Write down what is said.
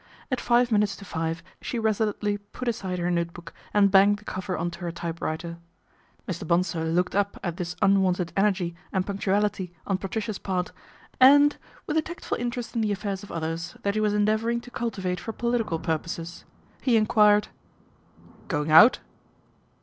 At five rainutes to five she resolutely put aside her note book, and banged the cover on to her typewriter. Mr. Bonsor looked up at this unwonted energy and punctuality on Patricia's part, and with a tactful interest in the affairs of others that he was endeavouring to cultivate for political purposes, he enquired :" Going out